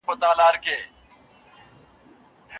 د مطالعې ګټې بې شمېره دي.